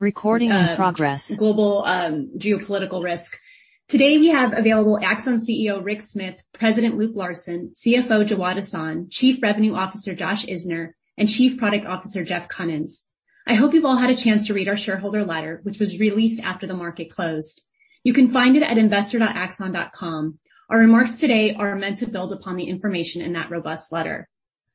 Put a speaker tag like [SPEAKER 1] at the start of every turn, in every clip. [SPEAKER 1] Recording in progress
[SPEAKER 2] Global, geopolitical risk. Today, we have available Axon CEO Rick Smith, President Luke Larson, CFO Jawad Ahsan, Chief Revenue Officer Josh Isner, and Chief Product Officer Jeff Kunins. I hope you've all had a chance to read our shareholder letter, which was released after the market closed. You can find it at investor.axon.com. Our remarks today are meant to build upon the information in that robust letter.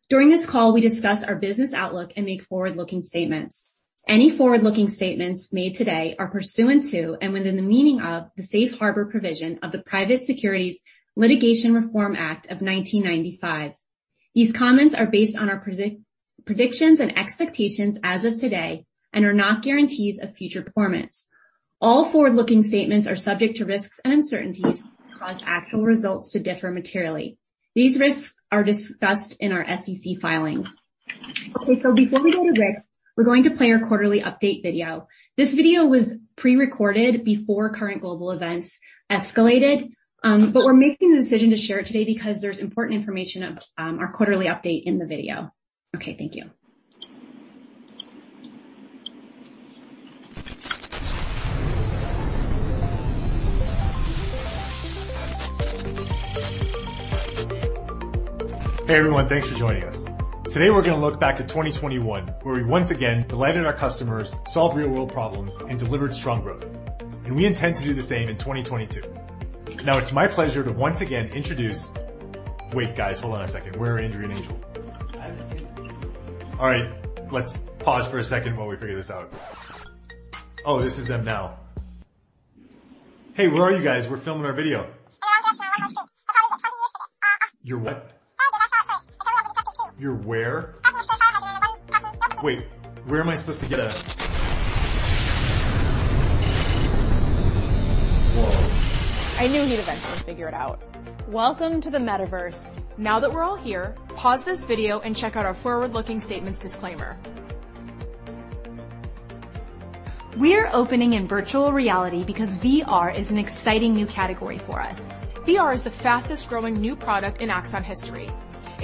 [SPEAKER 2] During this call, we discuss our business outlook and make forward-looking statements. Any forward-looking statements made today are pursuant to and within the meaning of the Safe Harbor provision of the Private Securities Litigation Reform Act of 1995. These comments are based on our predictions and expectations as of today and are not guarantees of future performance. All forward-looking statements are subject to risks and uncertainties that cause actual results to differ materially. These risks are discussed in our SEC filings. Okay, before we go to Rick, we're going to play our quarterly update video. This video was pre-recorded before current global events escalated, but we're making the decision to share it today because there's important information about our quarterly update in the video. Okay, thank you.
[SPEAKER 3] Hey, everyone. Thanks for joining us. Today, we're gonna look back at 2021, where we once again delighted our customers, solved real-world problems, and delivered strong growth. We intend to do the same in 2022. Now, it's my pleasure to once again introduce. Wait, guys, hold on a second. Where are Andrew and Angel?
[SPEAKER 4] I haven't seen them.
[SPEAKER 3] All right, let's pause for a second while we figure this out. Oh, this is them now. Hey, where are you guys? We're filming our video. You're what? You're where? Wait, where am I supposed to get a. Whoa.
[SPEAKER 5] I knew he'd eventually figure it out. Welcome to the metaverse. Now that we're all here, pause this video and check out our forward-looking statements disclaimer.
[SPEAKER 2] We are opening in virtual reality because VR is an exciting new category for us.
[SPEAKER 5] VR is the fastest-growing new product in Axon history.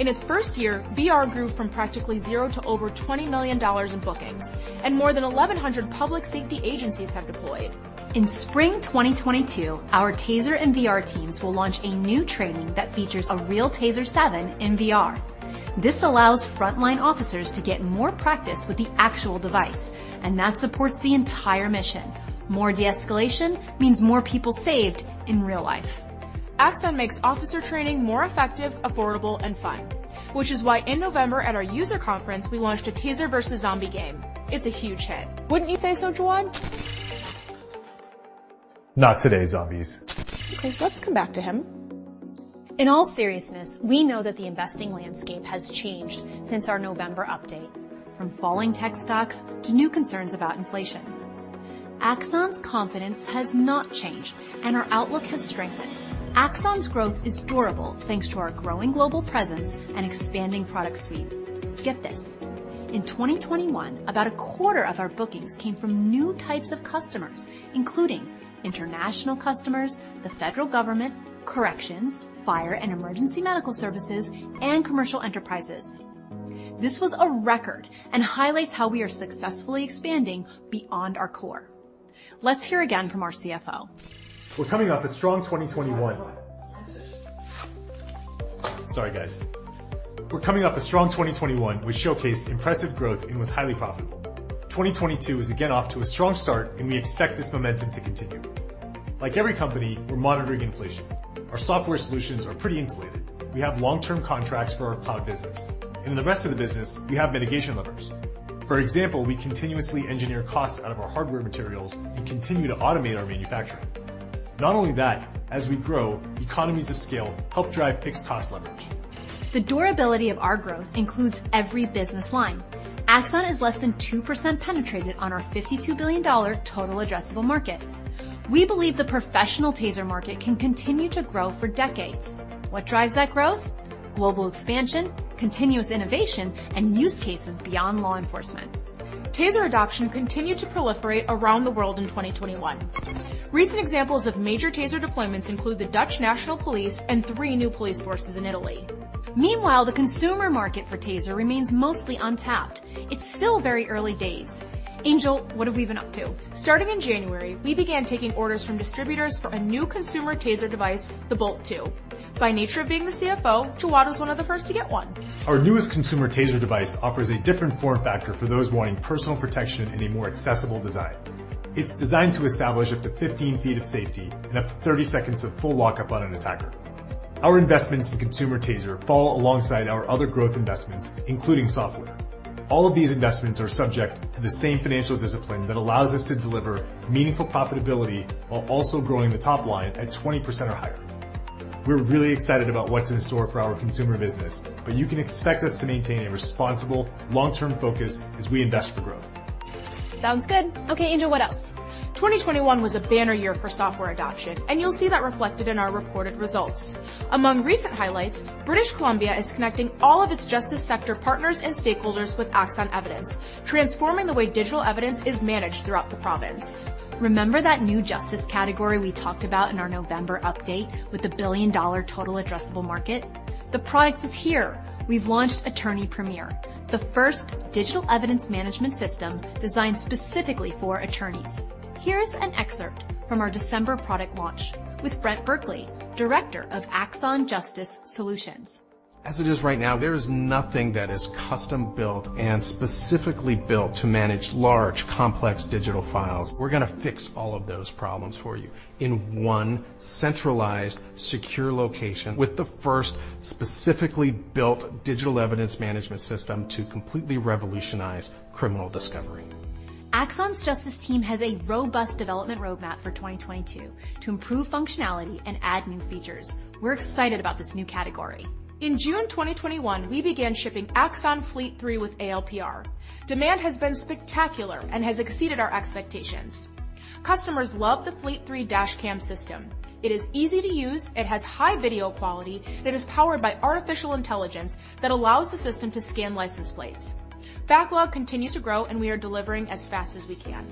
[SPEAKER 5] In its first year, VR grew from practically zero to over $20 million in bookings, and more than 1,100 public safety agencies have deployed.
[SPEAKER 2] In spring 2022, our TASER and VR teams will launch a new training that features a real TASER 7 in VR. This allows frontline officers to get more practice with the actual device, and that supports the entire mission. More de-escalation means more people saved in real life.
[SPEAKER 5] Axon makes officer training more effective, affordable, and fun, which is why in November at our user conference, we launched a TASER versus zombie game. It's a huge hit. Wouldn't you say so, Jawad?
[SPEAKER 3] Not today, zombies.
[SPEAKER 5] Okay, let's come back to him.
[SPEAKER 2] In all seriousness, we know that the investing landscape has changed since our November update, from falling tech stocks to new concerns about inflation. Axon's confidence has not changed, and our outlook has strengthened. Axon's growth is durable thanks to our growing global presence and expanding product suite. Get this. In 2021, about a quarter of our bookings came from new types of customers, including international customers, the federal government, corrections, fire and emergency medical services, and commercial enterprises. This was a record and highlights how we are successfully expanding beyond our core. Let's hear again from our CFO.
[SPEAKER 3] We're coming off a strong 2021.
[SPEAKER 4] Sorry. Wrong one. Cancel.
[SPEAKER 3] Sorry, guys. We're coming off a strong 2021, which showcased impressive growth and was highly profitable. 2022 is again off to a strong start, and we expect this momentum to continue. Like every company, we're monitoring inflation. Our software solutions are pretty insulated. We have long-term contracts for our cloud business. In the rest of the business, we have mitigation levers. For example, we continuously engineer costs out of our hardware materials and continue to automate our manufacturing. Not only that, as we grow, economies of scale help drive fixed cost leverage.
[SPEAKER 2] The durability of our growth includes every business line. Axon is less than 2% penetrated on our $52 billion total addressable market. We believe the professional TASER market can continue to grow for decades. What drives that growth? Global expansion, continuous innovation, and use cases beyond law enforcement.
[SPEAKER 5] TASER adoption continued to proliferate around the world in 2021. Recent examples of major TASER deployments include the Dutch National Police and three new police forces in Italy.
[SPEAKER 2] Meanwhile, the consumer market for TASER remains mostly untapped. It's still very early days. Angel, what have we been up to?
[SPEAKER 5] Starting in January, we began taking orders from distributors for a new consumer TASER device, the Bolt 2. By nature of being the CFO, Jawad was one of the first to get one.
[SPEAKER 3] Our newest consumer TASER device offers a different form factor for those wanting personal protection in a more accessible design. It's designed to establish up to 15 feet of safety and up to 30 seconds of full lockup on an attacker. Our investments in consumer TASER fall alongside our other growth investments, including software. All of these investments are subject to the same financial discipline that allows us to deliver meaningful profitability while also growing the top line at 20% or higher. We're really excited about what's in store for our consumer business, but you can expect us to maintain a responsible long-term focus as we invest for growth.
[SPEAKER 2] Sounds good. Okay, Angel, what else?
[SPEAKER 5] 2021 was a banner year for software adoption, and you'll see that reflected in our reported results. Among recent highlights, British Columbia is connecting all of its justice sector partners and stakeholders with Axon Evidence, transforming the way digital evidence is managed throughout the province.
[SPEAKER 2] Remember that new justice category we talked about in our November update with the billion-dollar total addressable market? The product is here.
[SPEAKER 5] We've launched Attorney Premier, the first digital evidence management system designed specifically for attorneys. Here's an excerpt from our December product launch with Brian Glaister, Head of Justice Solutions.
[SPEAKER 6] As it is right now, there is nothing that is custom-built and specifically built to manage large, complex digital files. We're gonna fix all of those problems for you in one centralized, secure location with the first specifically built digital evidence management system to completely revolutionize criminal discovery.
[SPEAKER 5] Axon Justice team has a robust development roadmap for 2022 to improve functionality and add new features. We're excited about this new category. In June 2021, we began shipping Axon Fleet 3 with ALPR. Demand has been spectacular and has exceeded our expectations. Customers love the Fleet 3 dashcam system. It is easy to use, it has high video quality, and it is powered by artificial intelligence that allows the system to scan license plates. Backlog continues to grow, and we are delivering as fast as we can.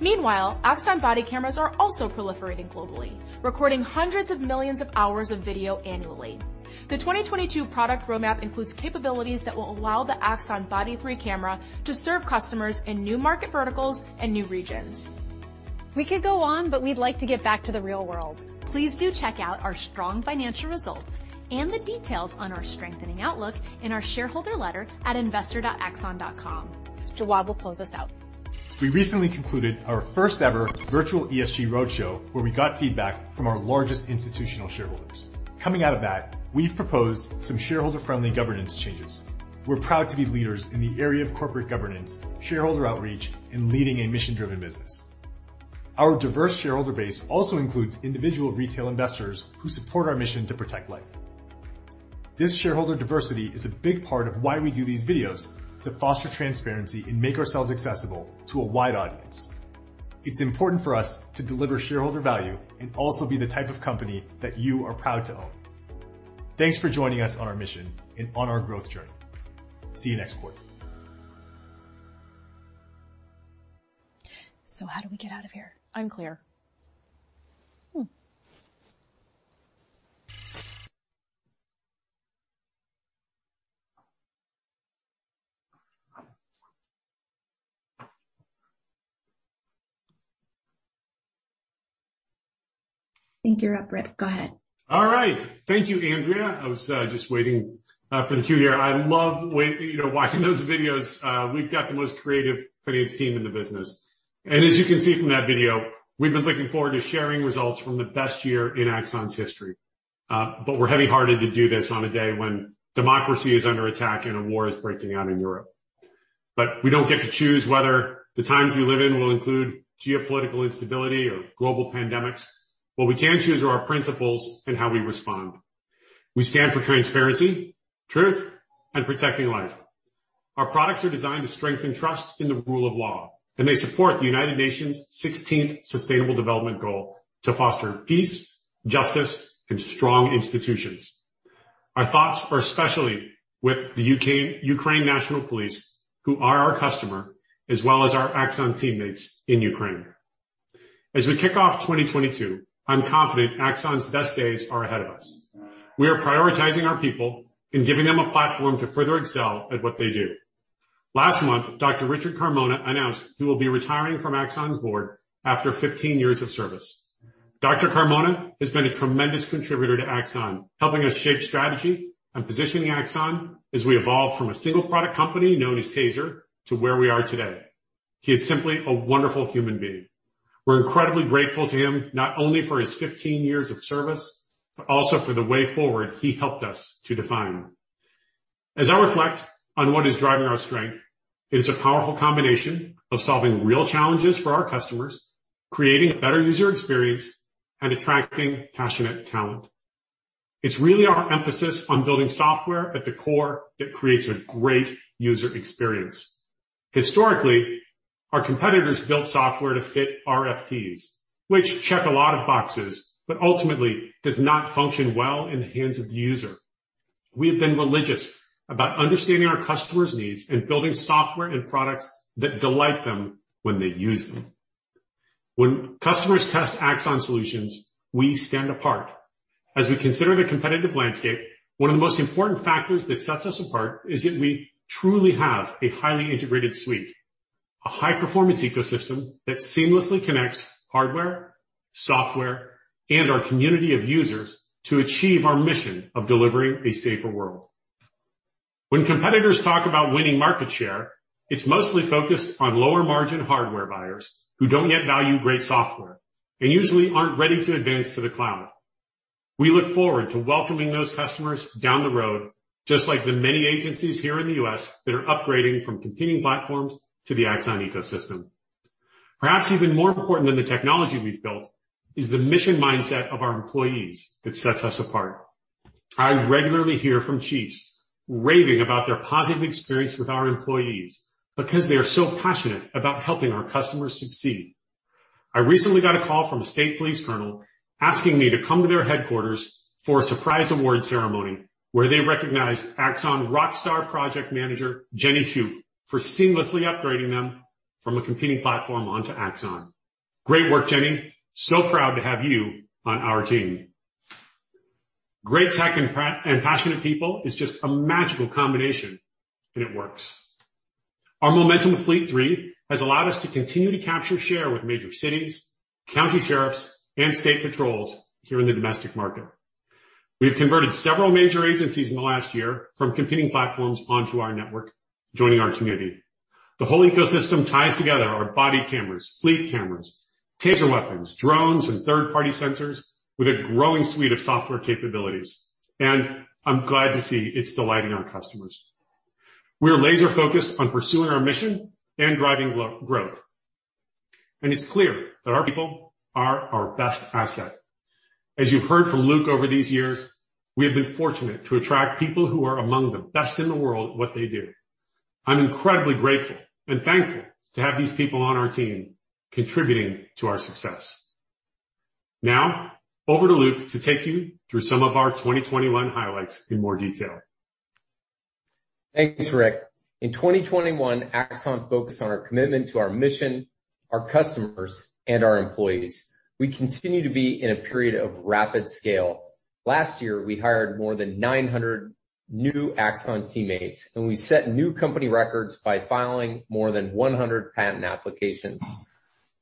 [SPEAKER 5] Meanwhile, Axon Body cameras are also proliferating globally, recording hundreds of millions of hours of video annually. The 2022 product roadmap includes capabilities that will allow the Axon Body 3 camera to serve customers in new market verticals and new regions. We could go on, but we'd like to get back to the real world. Please do check out our strong financial results and the details on our strengthening outlook in our shareholder letter at investor.axon.com. Jawad will close us out.
[SPEAKER 3] We recently concluded our first ever virtual ESG roadshow where we got feedback from our largest institutional shareholders. Coming out of that, we've proposed some shareholder-friendly governance changes. We're proud to be leaders in the area of corporate governance, shareholder outreach, and leading a mission-driven business. Our diverse shareholder base also includes individual retail investors who support our mission to protect life. This shareholder diversity is a big part of why we do these videos to foster transparency and make ourselves accessible to a wide audience. It's important for us to deliver shareholder value and also be the type of company that you are proud to own. Thanks for joining us on our mission and on our growth journey. See you next quarter.
[SPEAKER 5] How do we get out of here?
[SPEAKER 6] Unclear.
[SPEAKER 5] Hmm.
[SPEAKER 2] I think you're up, Brett. Go ahead.
[SPEAKER 7] All right. Thank you, Andrea. I was just waiting for the cue here. I love, you know, watching those videos. We've got the most creative finance team in the business. As you can see from that video, we've been looking forward to sharing results from the best year in Axon's history. We're heavy-hearted to do this on a day when democracy is under attack and a war is breaking out in Europe. We don't get to choose whether the times we live in will include geopolitical instability or global pandemics. What we can choose are our principles and how we respond. We stand for transparency, truth, and protecting life. Our products are designed to strengthen trust in the rule of law, and they support the United Nations sixteenth Sustainable Development Goal to foster peace, justice, and strong institutions. Our thoughts are especially with the Ukrainian national police who are our customer, as well as our Axon teammates in Ukraine. As we kick off 2022, I'm confident Axon's best days are ahead of us. We are prioritizing our people and giving them a platform to further excel at what they do. Last month, Dr. Richard Carmona announced he will be retiring from Axon's board after 15 years of service. Dr. Carmona has been a tremendous contributor to Axon, helping us shape strategy and positioning Axon as we evolve from a single product company known as TASER to where we are today. He is simply a wonderful human being. We're incredibly grateful to him, not only for his 15 years of service, but also for the way forward he helped us to define. As I reflect on what is driving our strength, it is a powerful combination of solving real challenges for our customers, creating a better user experience, and attracting passionate talent. It's really our emphasis on building software at the core that creates a great user experience. Historically, our competitors built software to fit RFPs, which check a lot of boxes, but ultimately does not function well in the hands of the user. We have been religious about understanding our customers' needs and building software and products that delight them when they use them. When customers test Axon solutions, we stand apart. As we consider the competitive landscape, one of the most important factors that sets us apart is that we truly have a highly integrated suite, a high-performance ecosystem that seamlessly connects hardware, software, and our community of users to achieve our mission of delivering a safer world. When competitors talk about winning market share, it's mostly focused on lower-margin hardware buyers who don't yet value great software and usually aren't ready to advance to the cloud. We look forward to welcoming those customers down the road, just like the many agencies here in the U.S. that are upgrading from competing platforms to the Axon ecosystem. Perhaps even more important than the technology we've built is the mission mindset of our employees that sets us apart. I regularly hear from chiefs raving about their positive experience with our employees because they are so passionate about helping our customers succeed. I recently got a call from a state police colonel asking me to come to their headquarters for a surprise award ceremony where they recognized Axon rockstar project manager, Jenny Hsu, for seamlessly upgrading them from a competing platform onto Axon. Great work, Jenny. Proud to have you on our team. Great tech and passionate people is just a magical combination, and it works. Our momentum with Fleet 3 has allowed us to continue to capture share with major cities, county sheriffs, and state patrols here in the domestic market. We've converted several major agencies in the last year from competing platforms onto our network, joining our community. The whole ecosystem ties together our body cameras, fleet cameras, TASER weapons, drones, and third-party sensors with a growing suite of software capabilities. I'm glad to see it's delighting our customers. We are laser-focused on pursuing our mission and driving growth, and it's clear that our people are our best asset. As you've heard from Luke over these years, we have been fortunate to attract people who are among the best in the world at what they do. I'm incredibly grateful and thankful to have these people on our team contributing to our success. Now over to Luke to take you through some of our 2021 highlights in more detail.
[SPEAKER 8] Thanks, Rick. In 2021, Axon focused on our commitment to our mission, our customers, and our employees. We continue to be in a period of rapid scale. Last year, we hired more than 900 new Axon teammates, and we set new company records by filing more than 100 patent applications.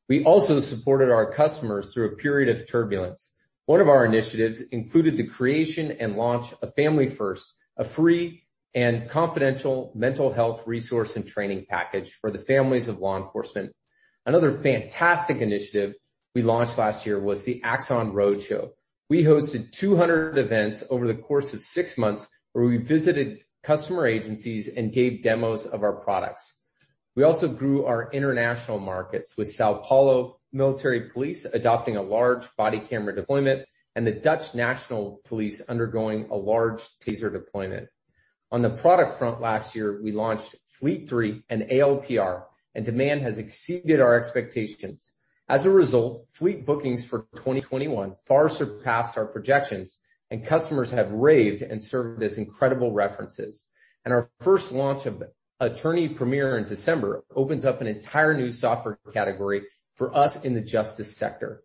[SPEAKER 8] We also supported our customers through a period of turbulence. One of our initiatives included the creation and launch of Family First, a free and confidential mental health resource and training package for the families of law enforcement. Another fantastic initiative we launched last year was the Axon Roadshow. We hosted 200 events over the course of six months, where we visited customer agencies and gave demos of our products. We also grew our international markets, with São Paulo military police adopting a large body camera deployment and the Dutch National Police undergoing a large TASER deployment. On the product front last year, we launched Fleet 3 and ALPR, and demand has exceeded our expectations. As a result, Fleet bookings for 2021 far surpassed our projections, and customers have raved and served as incredible references. Our first launch of Attorney Premier in December opens up an entire new software category for us in the justice sector.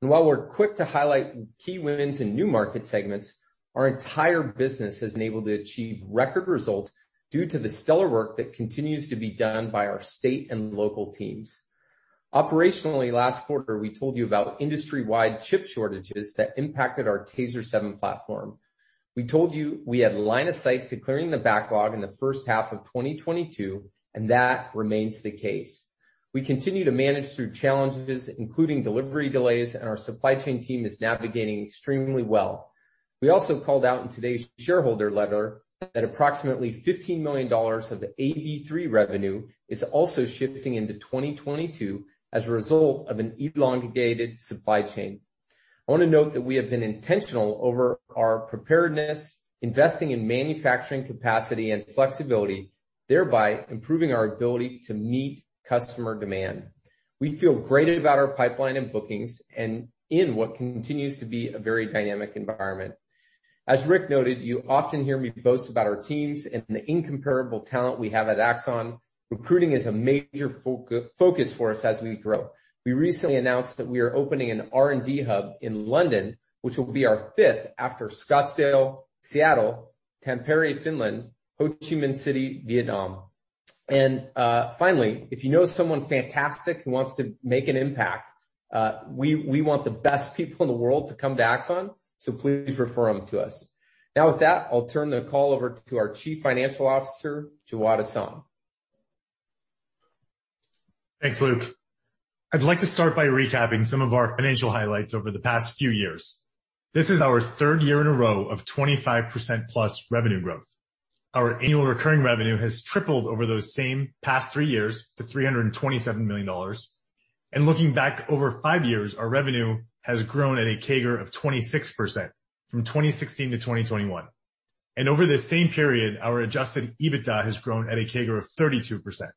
[SPEAKER 8] While we're quick to highlight key wins in new market segments, our entire business has been able to achieve record results due to the stellar work that continues to be done by our state and local teams. Operationally, last quarter, we told you about industry-wide chip shortages that impacted our TASER 7 platform. We told you we had line of sight to clearing the backlog in the first half of 2022, and that remains the case. We continue to manage through challenges, including delivery delays, and our supply chain team is navigating extremely well. We also called out in today's shareholder letter that approximately $15 million of the AB3 revenue is also shifting into 2022 as a result of an elongated supply chain. I wanna note that we have been intentional over our preparedness, investing in manufacturing capacity and flexibility, thereby improving our ability to meet customer demand. We feel great about our pipeline and bookings and in what continues to be a very dynamic environment. As Rick noted, you often hear me boast about our teams and the incomparable talent we have at Axon. Recruiting is a major focus for us as we grow. We recently announced that we are opening an R&D hub in London, which will be our fifth after Scottsdale, Seattle, Tampere, Finland, Ho Chi Minh City, Vietnam. Finally, if you know someone fantastic who wants to make an impact, we want the best people in the world to come to Axon, so please refer them to us. Now with that, I'll turn the call over to our Chief Financial Officer, Jawad Ahsan.
[SPEAKER 3] Thanks, Luke. I'd like to start by recapping some of our financial highlights over the past few years. This is our third year in a row of 25%+ revenue growth. Our annual recurring revenue has tripled over those same past three years to $327 million. Looking back over five years, our revenue has grown at a CAGR of 26% from 2016 to 2021. Over the same period, our adjusted EBITDA has grown at a CAGR of 32%.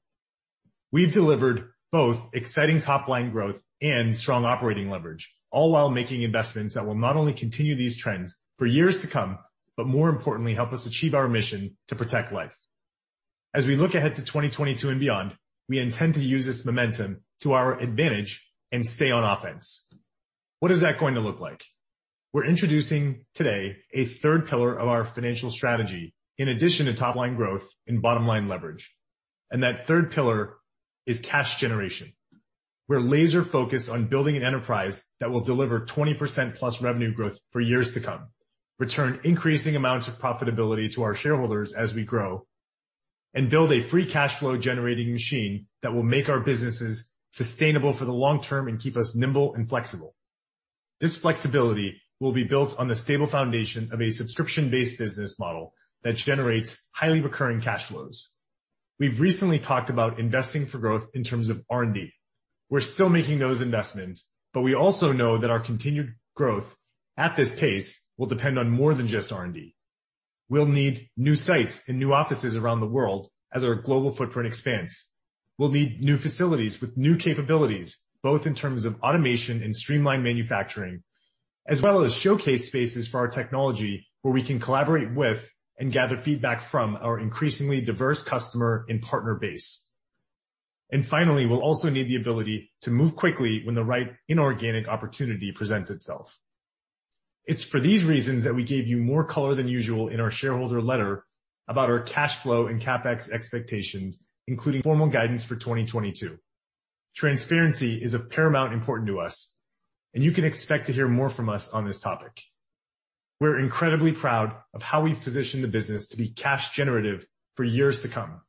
[SPEAKER 3] We've delivered both exciting top-line growth and strong operating leverage, all while making investments that will not only continue these trends for years to come, but more importantly, help us achieve our mission to protect life. As we look ahead to 2022 and beyond, we intend to use this momentum to our advantage and stay on offense. What is that going to look like? We're introducing today a third pillar of our financial strategy in addition to top-line growth and bottom-line leverage. That third pillar is cash generation. We're laser-focused on building an enterprise that will deliver 20%+ revenue growth for years to come, return increasing amounts of profitability to our shareholders as we grow, and build a free cash flow-generating machine that will make our businesses sustainable for the long term and keep us nimble and flexible. This flexibility will be built on the stable foundation of a subscription-based business model that generates highly recurring cash flows. We've recently talked about investing for growth in terms of R&D. We're still making those investments, but we also know that our continued growth at this pace will depend on more than just R&D. We'll need new sites and new offices around the world as our global footprint expands. We'll need new facilities with new capabilities, both in terms of automation and streamlined manufacturing.
[SPEAKER 9] As well as showcase spaces for our technology where we can collaborate with and gather feedback from our increasingly diverse customer and partner base. Finally, we'll also need the ability to move quickly when the right inorganic opportunity presents itself. It's for these reasons that we gave you more color than usual in our shareholder letter about our cash flow and CapEx expectations, including formal guidance for 2022. Transparency is of paramount importance to us, and you can expect to hear more from us on this topic. We're incredibly proud of how we've positioned the business to be cash generative for years to come.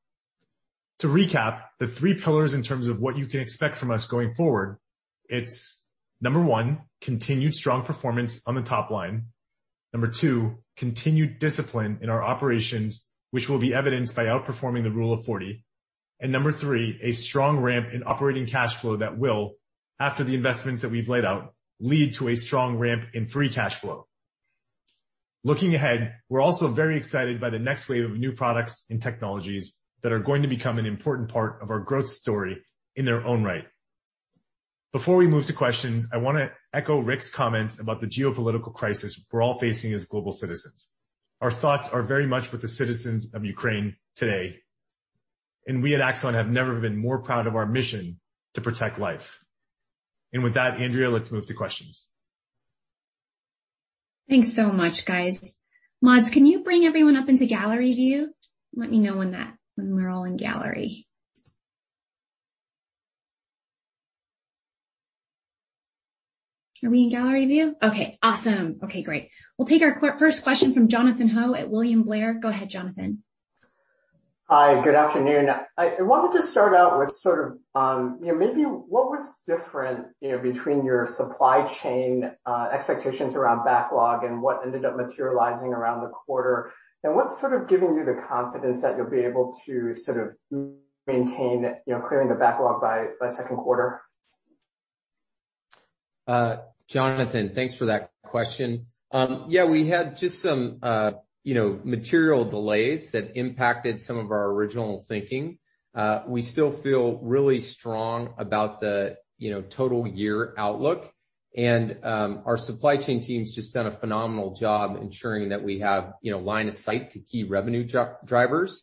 [SPEAKER 9] To recap the three pillars in terms of what you can expect from us going forward, it's number one, continued strong performance on the top line. Number two, continued discipline in our operations, which will be evidenced by outperforming the rule of 40. Number three, a strong ramp in operating cash flow that will, after the investments that we've laid out, lead to a strong ramp in free cash flow. Looking ahead, we're also very excited by the next wave of new products and technologies that are going to become an important part of our growth story in their own right. Before we move to questions, I wanna echo Rick's comments about the geopolitical crisis we're all facing as global citizens. Our thoughts are very much with the citizens of Ukraine today, and we at Axon have never been more proud of our mission to protect life. With that, Andrea, let's move to questions.
[SPEAKER 2] Thanks so much, guys. Mods, can you bring everyone up into gallery view? Let me know when we're all in gallery. Are we in gallery view? Okay, awesome. Okay, great. We'll take our first question from Jonathan Ho at William Blair. Go ahead, Jonathan.
[SPEAKER 1] Hi, good afternoon. I wanted to start out with sort of, you know, maybe what was different, you know, between your supply chain expectations around backlog and what ended up materializing around the quarter, and what's sort of giving you the confidence that you'll be able to sort of maintain, you know, clearing the backlog by second quarter?
[SPEAKER 9] Jonathan, thanks for that question. Yeah, we had just some, you know, material delays that impacted some of our original thinking. We still feel really strong about the, you know, total year outlook and, our supply chain team's just done a phenomenal job ensuring that we have, you know, line of sight to key revenue drivers.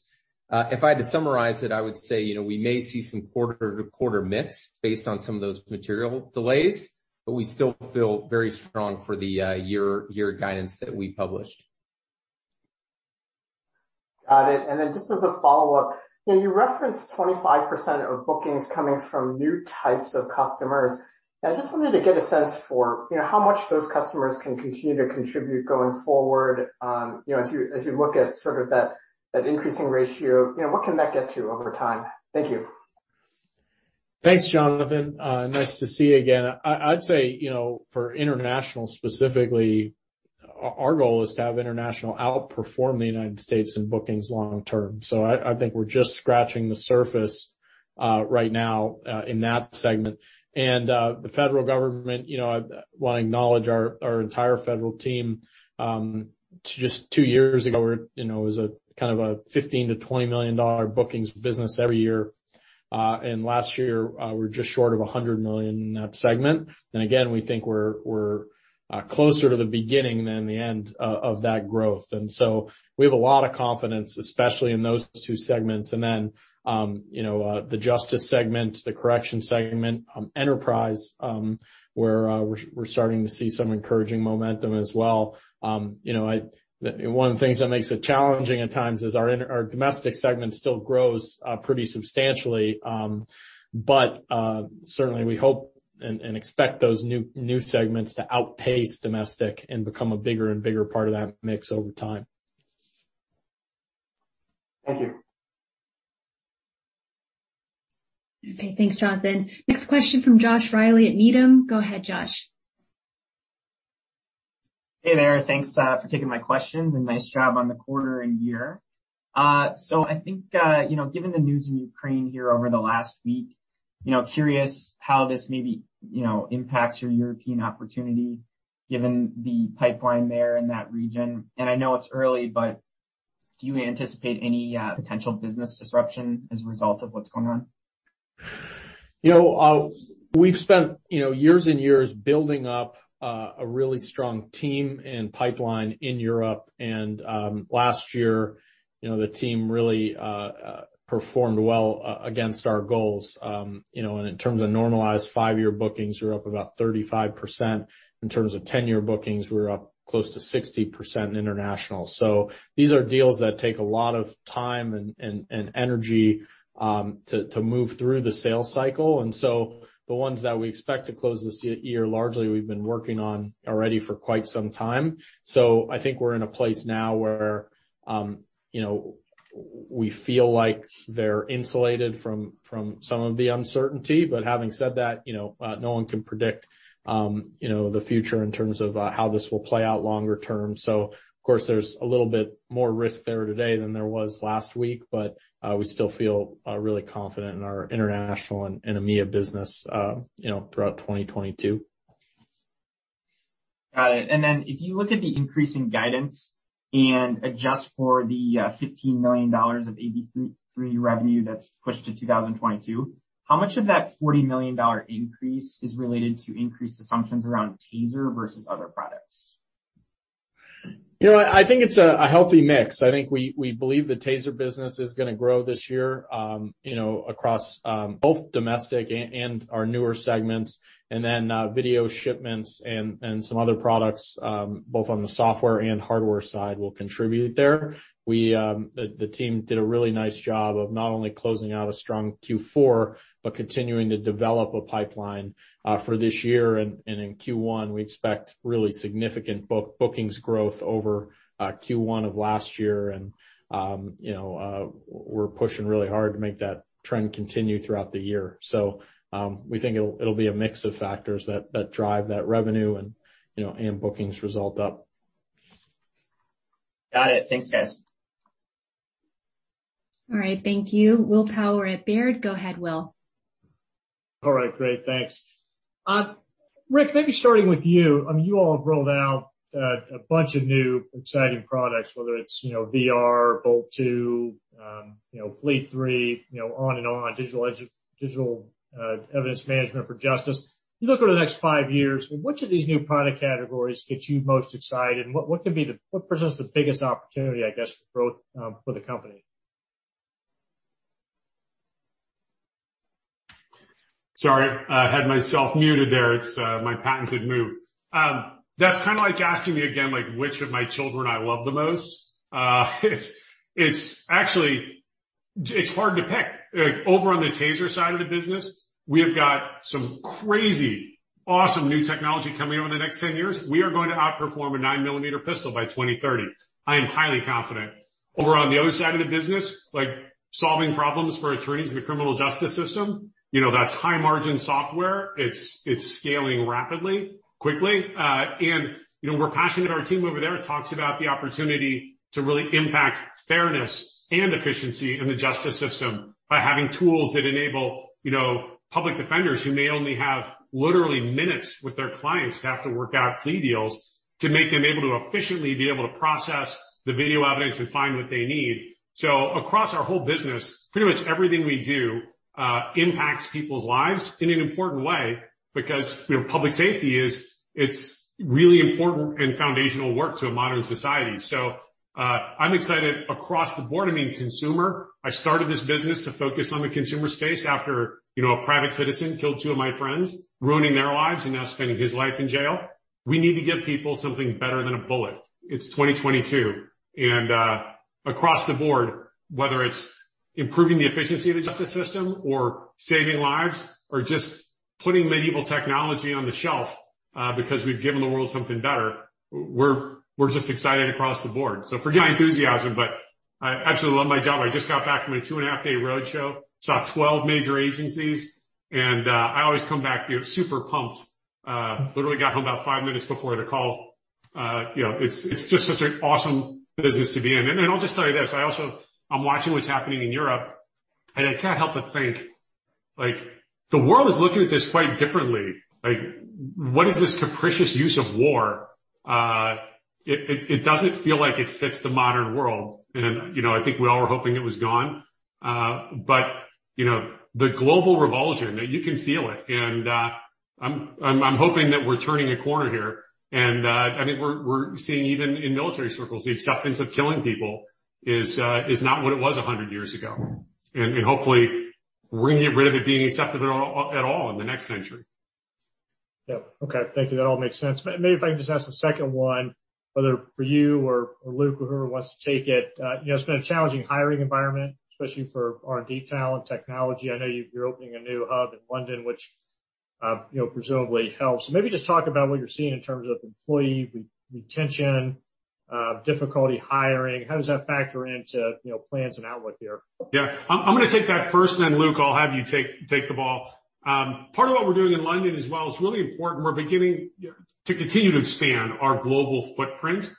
[SPEAKER 9] If I had to summarize it, I would say, you know, we may see some quarter to quarter miss based on some of those material delays, but we still feel very strong for the, year guidance that we published.
[SPEAKER 1] Got it. Then just as a follow-up, you know, you referenced 25% of bookings coming from new types of customers. I just wanted to get a sense for, you know, how much those customers can continue to contribute going forward, you know, as you look at sort of that increasing ratio. You know, what can that get to over time? Thank you.
[SPEAKER 9] Thanks, Jonathan. Nice to see you again. I'd say, you know, for international specifically, our goal is to have international outperform the United States in bookings long term. I think we're just scratching the surface right now in that segment. The federal government, you know, I wanna acknowledge our entire federal team. Just two years ago, it was a kind of a $15 million-$20 million bookings business every year. Last year, we're just short of $100 million in that segment. Again, we think we're closer to the beginning than the end of that growth. We have a lot of confidence, especially in those two segments. you know, the justice segment, the correction segment, enterprise, we're starting to see some encouraging momentum as well. you know, One of the things that makes it challenging at times is our domestic segment still grows pretty substantially, but certainly we hope and expect those new segments to outpace domestic and become a bigger and bigger part of that mix over time.
[SPEAKER 1] Thank you.
[SPEAKER 2] Okay. Thanks, Jonathan. Next question from Joshua Reilly at Needham. Go ahead, Josh.
[SPEAKER 10] Hey there. Thanks, for taking my questions and nice job on the quarter and year. I think, you know, given the news in Ukraine here over the last week, you know, curious how this maybe, you know, impacts your European opportunity, given the pipeline there in that region. I know it's early, but do you anticipate any potential business disruption as a result of what's going on?
[SPEAKER 9] You know, we've spent, you know, years and years building up a really strong team and pipeline in Europe. Last year, you know, the team really performed well against our goals. You know, in terms of normalized five-year bookings, we're up about 35%. In terms of ten-year bookings, we're up close to 60% international. These are deals that take a lot of time and energy to move through the sales cycle. The ones that we expect to close this year, largely we've been working on already for quite some time. I think we're in a place now where, you know, we feel like they're insulated from some of the uncertainty. Having said that, you know, no one can predict, you know, the future in terms of how this will play out longer term. Of course, there's a little bit more risk there today than there was last week, but we still feel really confident in our international and EMEA business, you know, throughout 2022.
[SPEAKER 10] Got it. If you look at the increasing guidance
[SPEAKER 8] Adjust for the $15 million of AB3 revenue that's pushed to 2022. How much of that $40 million increase is related to increased assumptions around TASER versus other products?
[SPEAKER 7] You know, I think it's a healthy mix. I think we believe the TASER business is gonna grow this year, you know, across both domestic and our newer segments. Video shipments and some other products, both on the software and hardware side will contribute there. The team did a really nice job of not only closing out a strong Q4, but continuing to develop a pipeline for this year. In Q1, we expect really significant bookings growth over Q1 of last year. You know, we're pushing really hard to make that trend continue throughout the year. We think it'll be a mix of factors that drive that revenue and, you know, bookings result up.
[SPEAKER 8] Got it. Thanks, guys.
[SPEAKER 2] All right. Thank you. Will Power at Baird. Go ahead, Will.
[SPEAKER 11] All right. Great. Thanks. Rick, maybe starting with you. You all have rolled out a bunch of new exciting products, whether it's, you know, VR, Bolt 2, you know, Fleet 3, you know, on and on, digital evidence management for justice. You look over the next five years, which of these new product categories gets you most excited? What presents the biggest opportunity, I guess, for growth, for the company?
[SPEAKER 7] Sorry, I had myself muted there. It's my patented move. That's kinda like asking me again, like, which of my children I love the most. It's actually hard to pick. Like, over on the TASER side of the business, we have got some crazy, awesome new technology coming over the next 10 years. We are going to outperform a 9 millimeter pistol by 2030. I am highly confident. Over on the other side of the business, like, solving problems for attorneys in the criminal justice system, you know, that's high margin software. It's scaling rapidly, quickly. You know, we're passionate. Our team over there talks about the opportunity to really impact fairness and efficiency in the justice system by having tools that enable, you know, public defenders who may only have literally minutes with their clients to have to work out plea deals to make them able to efficiently be able to process the video evidence and find what they need. Across our whole business, pretty much everything we do impacts people's lives in an important way because, you know, public safety is really important and foundational work to a modern society. I'm excited across the board. I mean, consumer, I started this business to focus on the consumer space after, you know, a private citizen killed two of my friends, ruining their lives and now spending his life in jail. We need to give people something better than a bullet. It's 2022. Across the board, whether it's improving the efficiency of the justice system or saving lives or just putting medieval technology on the shelf, because we've given the world something better, we're just excited across the board. Forgive my enthusiasm, but I absolutely love my job. I just got back from a 2.5-day roadshow, saw 12 major agencies, and I always come back, you know, super pumped. Literally got home about 5 minutes before the call. You know, it's just such an awesome business to be in. I'll just tell you this. I also, I'm watching what's happening in Europe, and I can't help but think, like, the world is looking at this quite differently. Like, what is this capricious use of war? It doesn't feel like it fits the modern world. You know, I think we all were hoping it was gone. You know, the global revulsion, you can feel it. I'm hoping that we're turning a corner here, and I think we're seeing even in military circles, the acceptance of killing people is not what it was a hundred years ago. Hopefully we can get rid of it being accepted at all in the next century.
[SPEAKER 11] Yeah. Okay. Thank you. That all makes sense. Maybe if I can just ask a second one, whether for you or Luke or whoever wants to take it. You know, it's been a challenging hiring environment, especially for R&D talent, technology. I know you're opening a new hub in London, which, you know, presumably helps. Maybe just talk about what you're seeing in terms of employee retention, difficulty hiring. How does that factor into, you know, plans and outlook here?
[SPEAKER 7] Yeah. I'm gonna take that first, and then Luke, I'll have you take the ball. Part of what we're doing in London as well is really important. We're beginning to continue to expand our global footprint.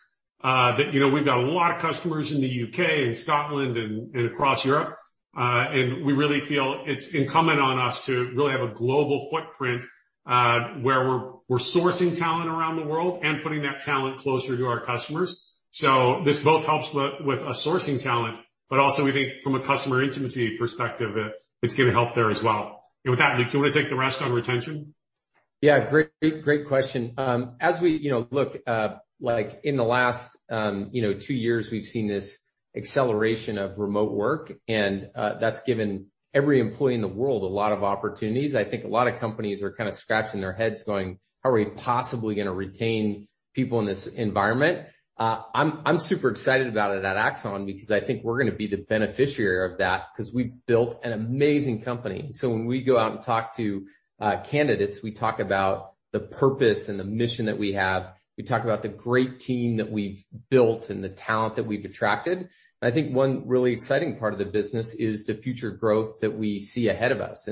[SPEAKER 7] That, you know, we've got a lot of customers in the U.K. and Scotland and across Europe. We really feel it's incumbent on us to really have a global footprint, where we're sourcing talent around the world and putting that talent closer to our customers. This both helps with sourcing talent, but also we think from a customer intimacy perspective, it's gonna help there as well. With that, Luke, do you wanna take the rest on retention?
[SPEAKER 8] Yeah. Great question. As we look in the last two years, we've seen this acceleration of remote work, and that's given every employee in the world a lot of opportunities. I think a lot of companies are kinda scratching their heads going, "How are we possibly gonna retain people in this environment?" I'm super excited about it at Axon because I think we're gonna be the beneficiary of that because we've built an amazing company. When we go out and talk to candidates, we talk about the purpose and the mission that we have. We talk about the great team that we've built and the talent that we've attracted. I think one really exciting part of the business is the future growth that we see ahead of us.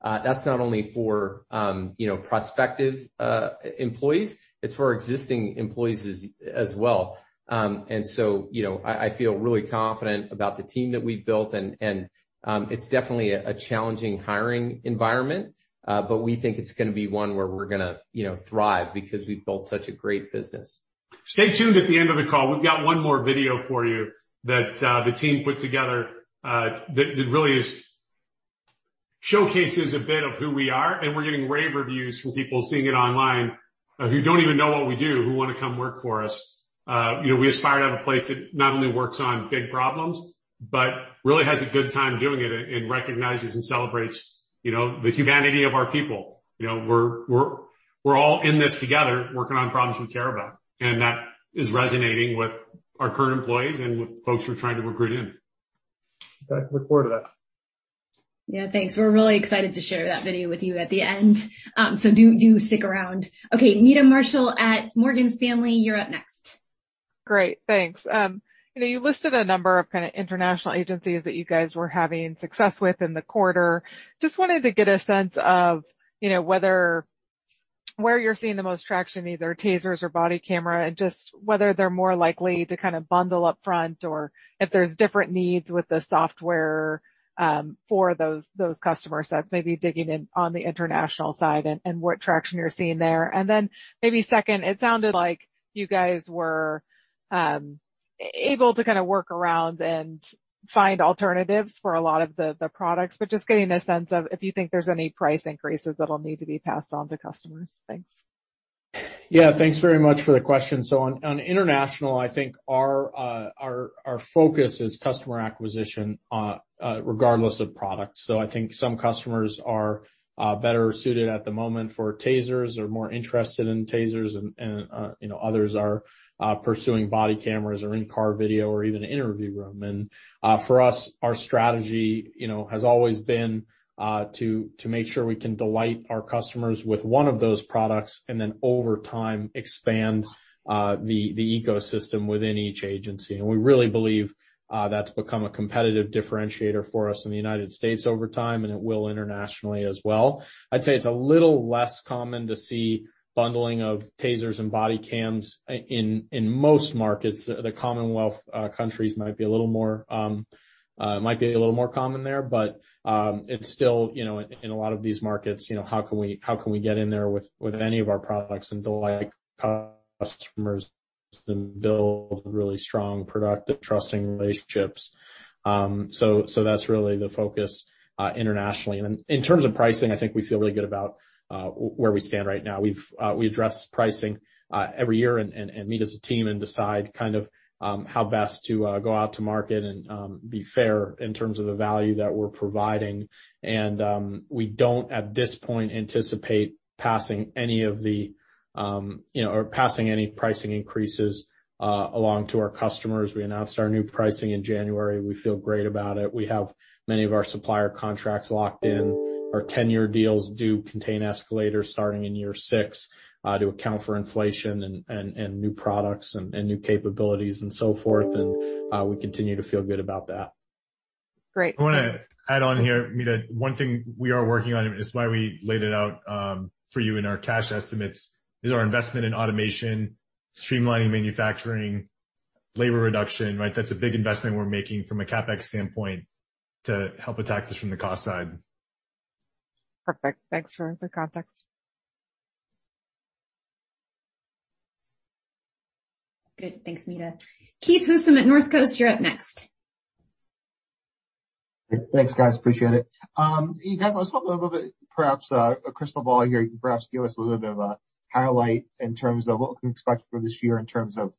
[SPEAKER 8] That's not only for, you know, prospective employees, it's for existing employees as well. You know, I feel really confident about the team that we've built and it's definitely a challenging hiring environment, but we think it's gonna be one where we're gonna, you know, thrive because we've built such a great business.
[SPEAKER 7] Stay tuned at the end of the call. We've got one more video for you that the team put together, that really showcases a bit of who we are, and we're getting rave reviews from people seeing it online, who don't even know what we do, who wanna come work for us. You know, we aspire to have a place that not only works on big problems but really has a good time doing it and recognizes and celebrates, you know, the humanity of our people. You know, we're all in this together, working on problems we care about, and that is resonating with our current employees and with folks we're trying to recruit in.
[SPEAKER 9] Okay. Look forward to that.
[SPEAKER 4] Yeah, thanks. We're really excited to share that video with you at the end. Do stick around. Okay, Meta Marshall at Morgan Stanley, you're up next.
[SPEAKER 12] Great. Thanks. You know, you listed a number of kinda international agencies that you guys were having success with in the quarter. Just wanted to get a sense of, you know, whether where you're seeing the most traction, either TASERs or body camera, and just whether they're more likely to kinda bundle up front or if there's different needs with the software, for those customer sets, maybe digging in on the international side and what traction you're seeing there. Maybe second, it sounded like you guys were able to kinda work around and find alternatives for a lot of the products, but just getting a sense of if you think there's any price increases that'll need to be passed on to customers. Thanks.
[SPEAKER 9] Yeah, thanks very much for the question. On international, I think our focus is customer acquisition, regardless of product. I think some customers are better suited at the moment for TASERs or more interested in TASERs and you know, others are pursuing body cameras or in-car video or even interview room. For us, our strategy, you know, has always been to make sure we can delight our customers with one of those products and then over time expand the ecosystem within each agency. We really believe that's become a competitive differentiator for us in the United States over time, and it will internationally as well. I'd say it's a little less common to see bundling of TASERs and body cams in most markets. The Commonwealth countries might be a little more common there, but it's still, you know, in a lot of these markets, you know, how can we get in there with any of our products and delight customers and build really strong, productive, trusting relationships? That's really the focus internationally. In terms of pricing, I think we feel really good about where we stand right now. We address pricing every year and meet as a team and decide kind of how best to go out to market and be fair in terms of the value that we're providing. We don't at this point anticipate passing any of the, you know, or passing any pricing increases along to our customers. We announced our new pricing in January. We feel great about it. We have many of our supplier contracts locked in. Our ten-year deals do contain escalators starting in year six to account for inflation and new products and new capabilities and so forth. We continue to feel good about that.
[SPEAKER 12] Great.
[SPEAKER 7] I wanna add on here, Meta, one thing we are working on, and it's why we laid it out, for you in our cash estimates, is our investment in automation, streamlining manufacturing, labor reduction, right? That's a big investment we're making from a CapEx standpoint to help attack this from the cost side.
[SPEAKER 12] Perfect. Thanks for the context.
[SPEAKER 4] Good. Thanks, Meta. Keith Housum at Northcoast Research, you're up next.
[SPEAKER 13] Thanks, guys. Appreciate it. You guys, let's talk a little bit, perhaps, a crystal ball here. You can perhaps give us a little bit of a highlight in terms of what we can expect for this year in terms of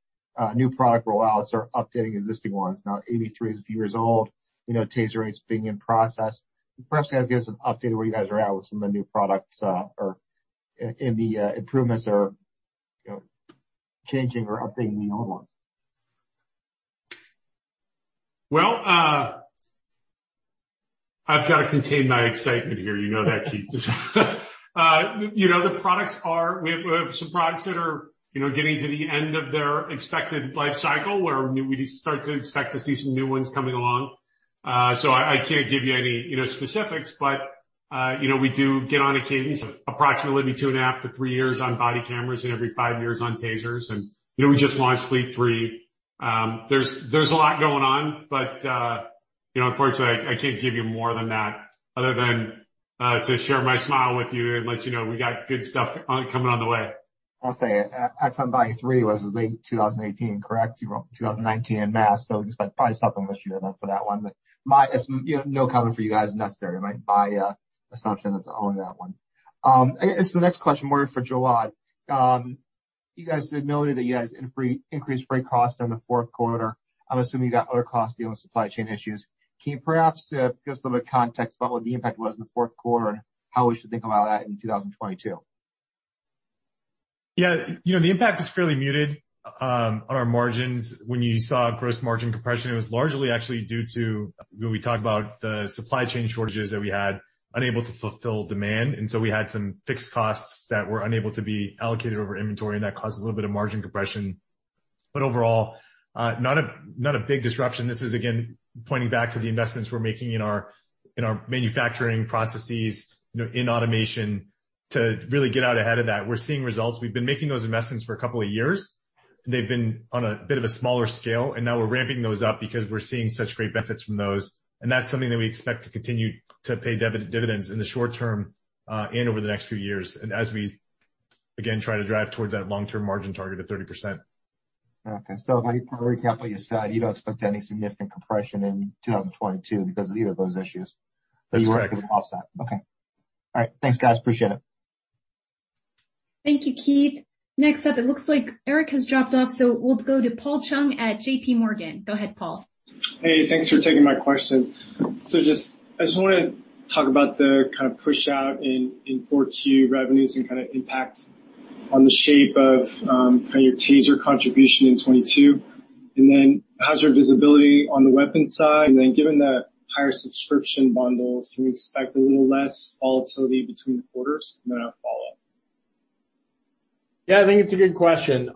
[SPEAKER 13] new product roll-outs or updating existing ones. Now, 83 is a few years old. You know, TASER is being in process. Perhaps you guys can give us an update on where you guys are at with some of the new products, or in the improvements or, you know, changing or updating the old ones.
[SPEAKER 7] Well, I've got to contain my excitement here. You know that, Keith. You know, we have some products that are getting to the end of their expected life cycle, where we start to expect to see some new ones coming along. I can't give you any specifics, but you know, we do get on a cadence of approximately 2.5-3 years on body cameras and every 5 years on TASERs. You know, we just launched Fleet 3. There's a lot going on, but you know, unfortunately, I can't give you more than that other than to share my smile with you and let you know we got good stuff coming our way.
[SPEAKER 13] I'll say it. Axon Body 3 was late 2018, correct? You were all 2019 launch, so just by probably something this year then for that one. But as, you know, no comment for you guys is necessary, my assumption that's on that one. I guess the next question more for Jawad. You guys did note that you guys increased freight costs during the fourth quarter. I'm assuming you got other costs dealing with supply chain issues. Can you perhaps give us a little context about what the impact was in the fourth quarter and how we should think about that in 2022?
[SPEAKER 9] Yeah. You know, the impact was fairly muted on our margins. When you saw gross margin compression, it was largely actually due to when we talk about the supply chain shortages that we had, unable to fulfill demand. We had some fixed costs that were unable to be allocated over inventory, and that caused a little bit of margin compression. But overall, not a big disruption. This is again pointing back to the investments we're making in our manufacturing processes, you know, in automation to really get out ahead of that. We're seeing results. We've been making those investments for a couple of years. They've been on a bit of a smaller scale, and now we're ramping those up because we're seeing such great benefits from those. That's something that we expect to continue to pay dividends in the short term, and over the next few years and as we again, try to drive towards that long-term margin target of 30%.
[SPEAKER 14] Okay. Let me put an example. You said you don't expect any significant compression in 2022 because of either of those issues.
[SPEAKER 9] That's correct.
[SPEAKER 14] You work with the offset. Okay. All right. Thanks, guys. Appreciate it.
[SPEAKER 2] Thank you, Keith. Next up, it looks like Eric has dropped off, so we'll go to Paul Chung at J.P. Morgan. Go ahead, Paul.
[SPEAKER 15] Hey, thanks for taking my question. Just, I just wanna talk about the kind of pushout in 4Q revenues and kinda impact on the shape of kind of your TASER contribution in 2022. How's your visibility on the weapon side? Given that higher subscription bundles, can we expect a little less volatility between quarters? I have follow-up.
[SPEAKER 9] Yeah, I think it's a good question.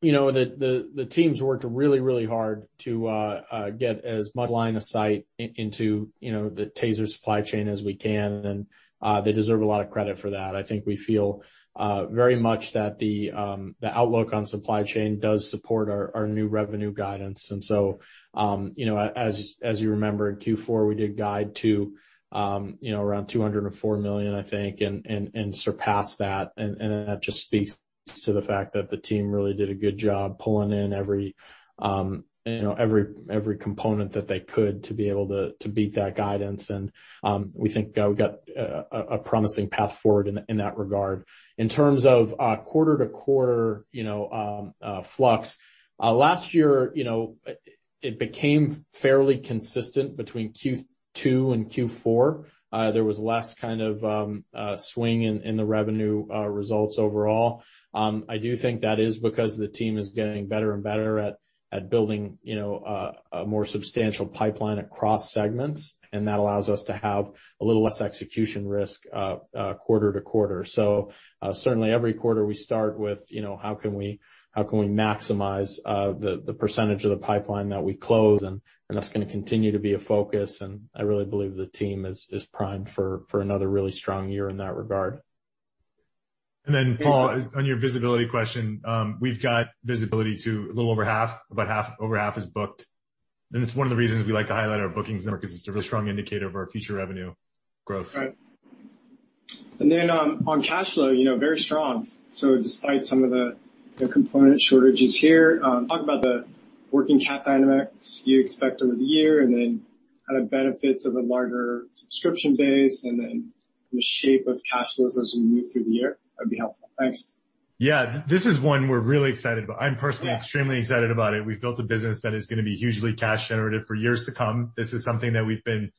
[SPEAKER 9] You know, the teams worked really hard to get as much line of sight into the TASER supply chain as we can, and they deserve a lot of credit for that. I think we feel very much that the outlook on supply chain does support our new revenue guidance. You know, as you remember, in Q4, we did guide to around $204 million, I think, and surpass that. That just speaks to the fact that the team really did a good job pulling in every component that they could to be able to beat that guidance. We think we've got a promising path forward in that regard. In terms of quarter to quarter, you know, flux last year, you know, it became fairly consistent between Q2 and Q4. There was less kind of swing in the revenue results overall. I do think that is because the team is getting better and better at building, you know, a more substantial pipeline across segments, and that allows us to have a little less execution risk quarter to quarter. Certainly every quarter we start with, you know, how can we maximize the percentage of the pipeline that we close? That's gonna continue to be a focus. I really believe the team is primed for another really strong year in that regard.
[SPEAKER 3] Paul, on your visibility question, we've got visibility to a little over half. About half, over half is booked. It's one of the reasons we like to highlight our bookings number, because it's a really strong indicator of our future revenue growth.
[SPEAKER 15] Right. On cash flow, you know, very strong. Despite some of the component shortages here, talk about the working cap dynamics you expect over the year and then kind of benefits of a larger subscription base and then the shape of cash flows as we move through the year. That'd be helpful. Thanks.
[SPEAKER 3] Yeah. This is one we're really excited about. I'm personally extremely excited about it. We've built a business that is gonna be hugely cash generative for years to come. This is something that we've been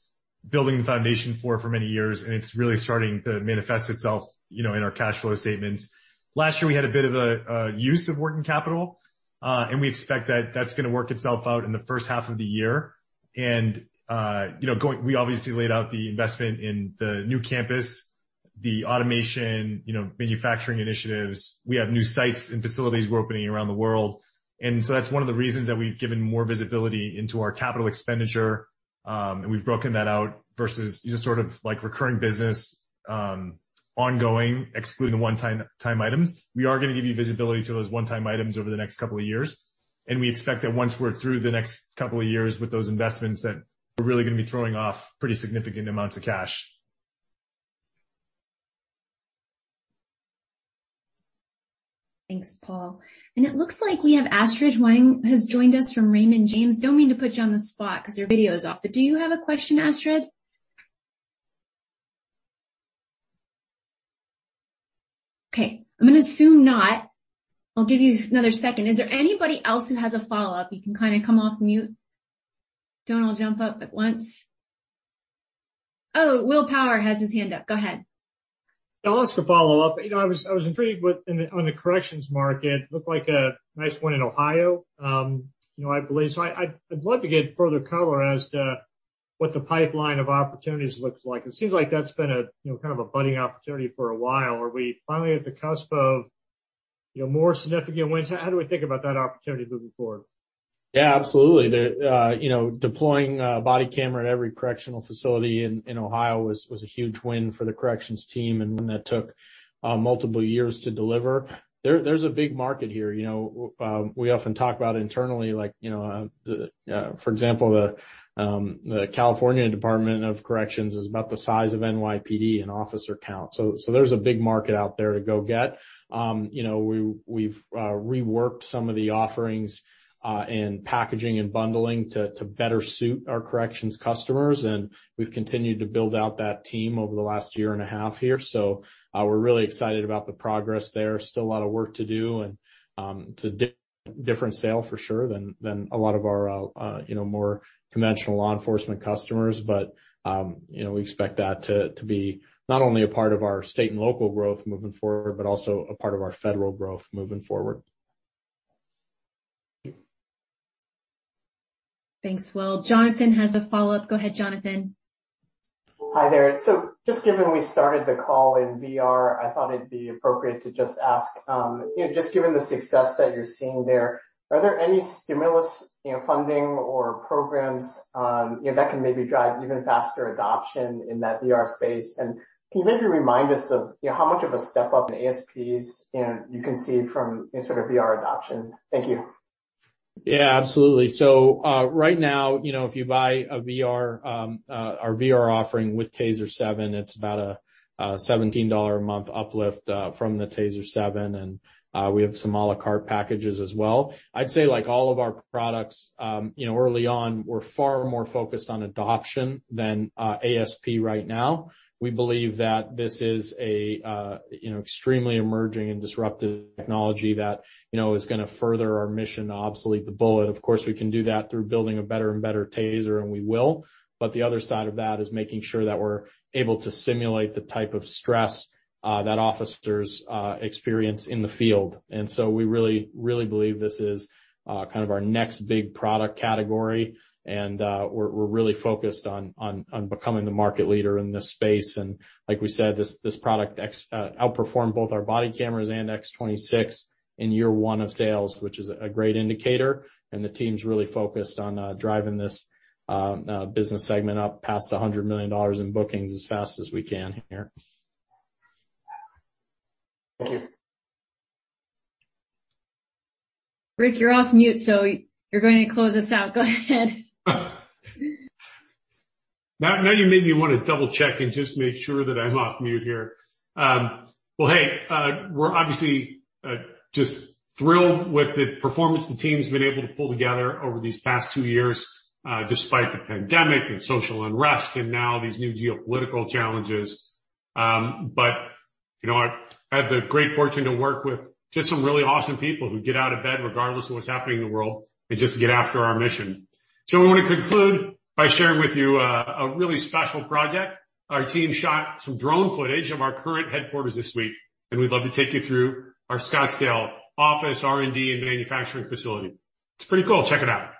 [SPEAKER 3] building the foundation for many years, and it's really starting to manifest itself, you know, in our cash flow statements. Last year, we had a bit of a use of working capital, and we expect that that's gonna work itself out in the first half of the year. You know, we obviously laid out the investment in the new campus, the automation, you know, manufacturing initiatives. We have new sites and facilities we're opening around the world. That's one of the reasons that we've given more visibility into our capital expenditure, and we've broken that out versus just sort of like recurring business, ongoing, excluding the one-time items. We are gonna give you visibility to those one-time items over the next couple of years. We expect that once we're through the next couple of years with those investments, that we're really gonna be throwing off pretty significant amounts of cash.
[SPEAKER 2] Thanks, Paul. It looks like we have Astrid Huang has joined us from Raymond James. Don't mean to put you on the spot because your video is off, but do you have a question, Astrid? Okay, I'm gonna assume not. I'll give you another second. Is there anybody else who has a follow-up? You can kind of come off mute. Don't all jump up at once. Oh, Will Power has his hand up. Go ahead.
[SPEAKER 11] I'll ask a follow-up. You know, I was intrigued with on the corrections market. Looked like a nice win in Ohio, you know, I believe. I'd love to get further color as to what the pipeline of opportunities looks like. It seems like that's been a you know, kind of a budding opportunity for a while. Are we finally at the cusp of, you know, more significant wins? How do we think about that opportunity moving forward?
[SPEAKER 9] Yeah, absolutely. The deploying a body camera at every correctional facility in Ohio was a huge win for the corrections team, and one that took multiple years to deliver. There's a big market here. You know, we often talk about internally, like, you know, for example, the California Department of Corrections and Rehabilitation is about the size of NYPD in officer count. So there's a big market out there to go get. You know, we've reworked some of the offerings, and packaging and bundling to better suit our corrections customers, and we've continued to build out that team over the last year and a half here. So, we're really excited about the progress there. Still a lot of work to do, and it's a different sale for sure than a lot of our, you know, more conventional law enforcement customers. You know, we expect that to be not only a part of our state and local growth moving forward, but also a part of our federal growth moving forward.
[SPEAKER 2] Thanks, Will. Jonathan has a follow-up. Go ahead, Jonathan.
[SPEAKER 1] Hi there. Just given we started the call in VR, I thought it'd be appropriate to just ask, you know, just given the success that you're seeing there, are there any stimulus, you know, funding or programs, you know, that can maybe drive even faster adoption in that VR space? Can you maybe remind us of, you know, how much of a step up in ASPs, you know, you can see from, you know, sort of VR adoption? Thank you.
[SPEAKER 9] Yeah, absolutely. Right now, you know, if you buy a VR, our VR offering with TASER 7, it's about a $17 a month uplift from the TASER 7. We have some a la carte packages as well. I'd say, like, all of our products, you know, early on were far more focused on adoption than ASP right now. We believe that this is a you know extremely emerging and disruptive technology that, you know, is gonna further our mission to obsolete the bullet. Of course, we can do that through building a better and better TASER, and we will. The other side of that is making sure that we're able to simulate the type of stress that officers experience in the field. We really believe this is kind of our next big product category, and we're really focused on becoming the market leader in this space. Like we said, this product outperformed both our body cameras and X26 in year one of sales, which is a great indicator, and the team's really focused on driving this business segment up past $100 million in bookings as fast as we can here.
[SPEAKER 7] Thank you.
[SPEAKER 4] Rick, you're off mute, so you're going to close us out. Go ahead.
[SPEAKER 7] Now you made me wanna double-check and just make sure that I'm off mute here. We're obviously just thrilled with the performance the team's been able to pull together over these past two years despite the pandemic and social unrest and now these new geopolitical challenges. You know, I have the great fortune to work with just some really awesome people who get out of bed regardless of what's happening in the world and just get after our mission. We want to conclude by sharing with you a really special project. Our team shot some drone footage of our current headquarters this week, and we'd love to take you through our Scottsdale office, R&D, and manufacturing facility. It's pretty cool. Check it out.